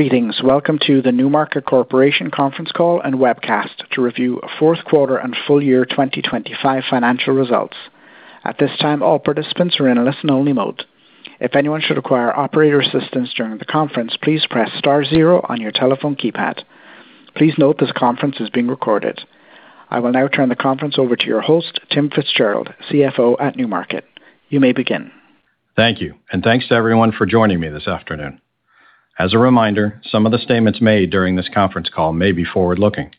Greetings. Welcome to the NewMarket Corporation conference call and webcast to review our fourth quarter and full year 2025 financial results. At this time, all participants are in a listen-only mode. If anyone should require operator assistance during the conference, please press star zero on your telephone keypad. Please note, this conference is being recorded. I will now turn the conference over to your host, Tim Fitzgerald, CFO at NewMarket. You may begin. Thank you, and thanks to everyone for joining me this afternoon. As a reminder, some of the statements made during this conference call may be forward-looking.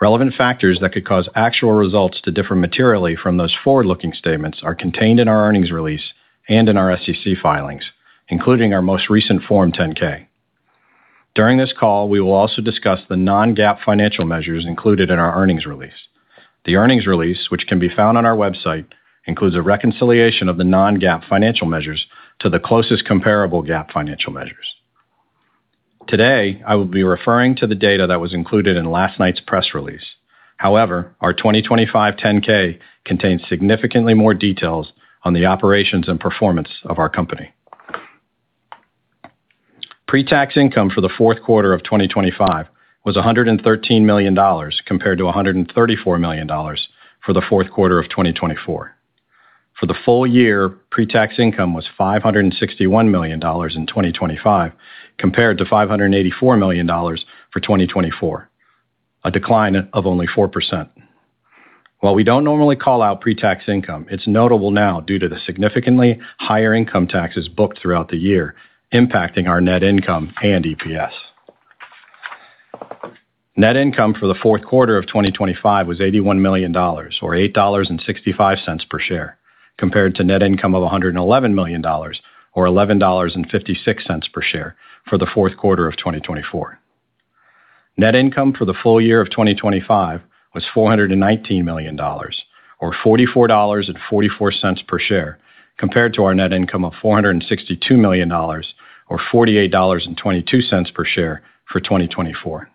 Relevant factors that could cause actual results to differ materially from those forward-looking statements are contained in our earnings release and in our SEC filings, including our most recent Form 10-K. During this call, we will also discuss the non-GAAP financial measures included in our earnings release. The earnings release, which can be found on our website, includes a reconciliation of the non-GAAP financial measures to the closest comparable GAAP financial measures. Today, I will be referring to the data that was included in last night's press release. However, our 2025 10-K contains significantly more details on the operations and performance of our company. Pre-tax income for the fourth quarter of 2025 was $113 million, compared to $134 million for the fourth quarter of 2024. For the full year, pre-tax income was $561 million in 2025, compared to $584 million for 2024, a decline of only 4%. While we don't normally call out pre-tax income, it's notable now due to the significantly higher income taxes booked throughout the year, impacting our net income and EPS. Net income for the fourth quarter of 2025 was $81 million, or $8.65 per share, compared to net income of $111 million, or $11.56 per share for the fourth quarter of 2024. Net income for the full year of 2025 was $419 million, or $44.44 per share, compared to our net income of $462 million, or $48.22 per share for 2024.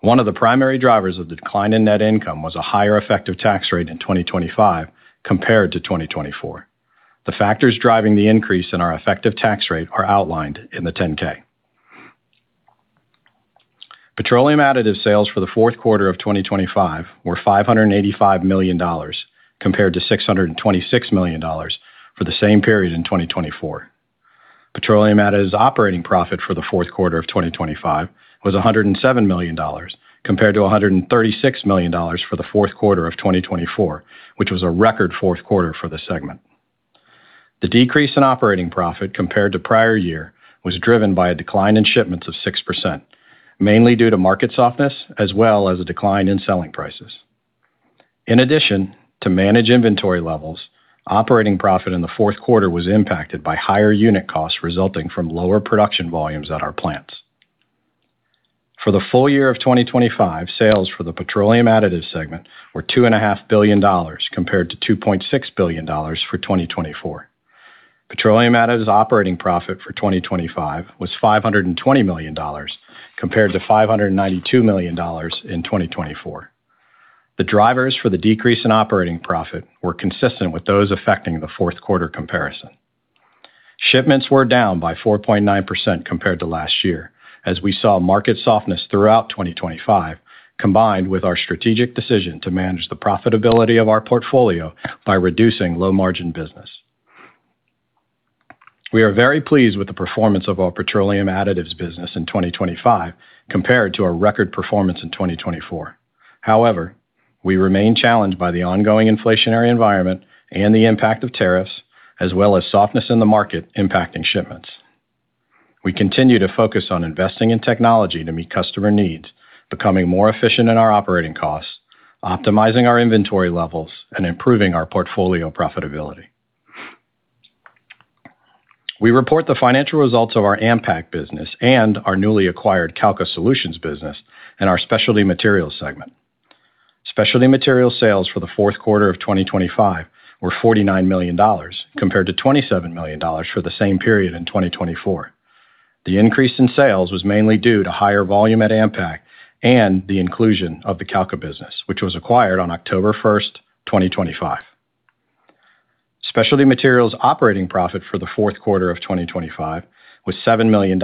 One of the primary drivers of the decline in net income was a higher effective tax rate in 2025 compared to 2024. The factors driving the increase in our effective tax rate are outlined in the 10-K. Petroleum additive sales for the fourth quarter of 2025 were $585 million, compared to $626 million for the same period in 2024. Petroleum Additives operating profit for the fourth quarter of 2025 was $107 million, compared to $136 million for the fourth quarter of 2024, which was a record fourth quarter for the segment. The decrease in operating profit compared to prior year was driven by a decline in shipments of 6%, mainly due to market softness, as well as a decline in selling prices. In addition, to manage inventory levels, operating profit in the fourth quarter was impacted by higher unit costs resulting from lower production volumes at our plants. For the full year of 2025, sales for the Petroleum Additives segment were $2.5 billion, compared to $2.6 billion for 2024. Petroleum Additives operating profit for 2025 was $520 million, compared to $592 million in 2024. The drivers for the decrease in operating profit were consistent with those affecting the fourth quarter comparison. Shipments were down by 4.9% compared to last year, as we saw market softness throughout 2025, combined with our strategic decision to manage the profitability of our portfolio by reducing low-margin business. We are very pleased with the performance of our petroleum additives business in 2025, compared to our record performance in 2024. However, we remain challenged by the ongoing inflationary environment and the impact of tariffs, as well as softness in the market impacting shipments. We continue to focus on investing in technology to meet customer needs, becoming more efficient in our operating costs, optimizing our inventory levels, and improving our portfolio profitability. We report the financial results of our AMPAC business and our newly acquired Calca Solutions business in our Specialty Materials segment. Specialty Materials sales for the fourth quarter of 2025 were $49 million, compared to $27 million for the same period in 2024. The increase in sales was mainly due to higher volume at AMPAC and the inclusion of the Calca business, which was acquired on October 1, 2025. Specialty Materials operating profit for the fourth quarter of 2025 was $7 million,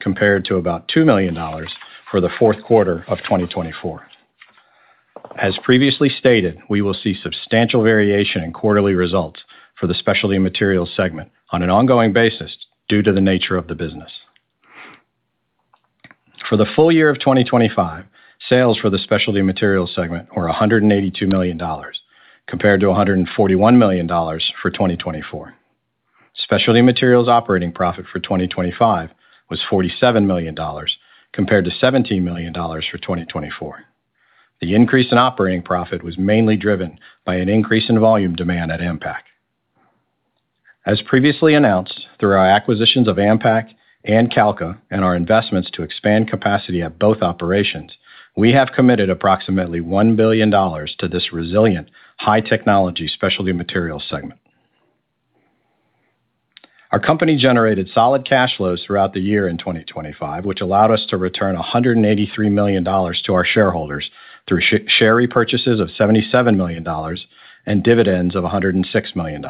compared to about $2 million for the fourth quarter of 2024. As previously stated, we will see substantial variation in quarterly results for the specialty materials segment on an ongoing basis due to the nature of the business. For the full year of 2025, sales for the specialty materials segment were $182 million, compared to $141 million for 2024. Specialty Materials operating profit for 2025 was $47 million, compared to $17 million for 2024. The increase in operating profit was mainly driven by an increase in volume demand at Ampac. As previously announced, through our acquisitions of Ampac and Calca, and our investments to expand capacity at both operations, we have committed approximately $1 billion to this resilient, high-technology specialty materials segment. Our company generated solid cash flows throughout the year in 2025, which allowed us to return $183 million to our shareholders through share repurchases of $77 million and dividends of $106 million.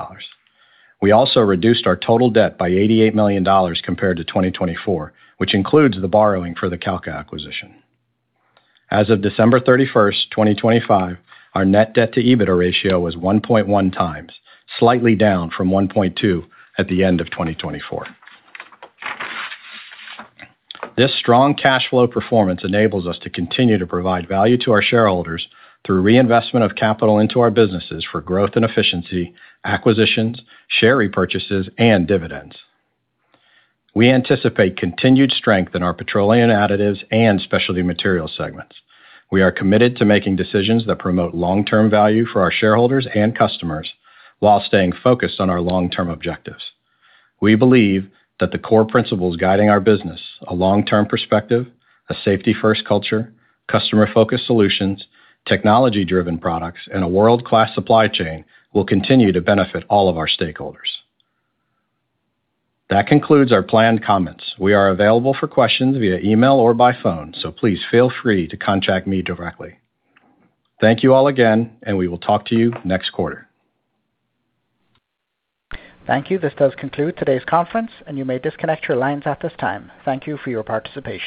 We also reduced our total debt by $88 million compared to 2024, which includes the borrowing for the Calca acquisition. As of December 31, 2025, our net debt to EBITDA ratio was 1.1 times, slightly down from 1.2 at the end of 2024. This strong cash flow performance enables us to continue to provide value to our shareholders through reinvestment of capital into our businesses for growth and efficiency, acquisitions, share repurchases, and dividends. We anticipate continued strength in our petroleum additives and specialty materials segments. We are committed to making decisions that promote long-term value for our shareholders and customers while staying focused on our long-term objectives. We believe that the core principles guiding our business, a long-term perspective, a safety-first culture, customer-focused solutions, technology-driven products, and a world-class supply chain, will continue to benefit all of our stakeholders. That concludes our planned comments. We are available for questions via email or by phone, so please feel free to contact me directly. Thank you all again, and we will talk to you next quarter. Thank you. This does conclude today's conference, and you may disconnect your lines at this time. Thank you for your participation.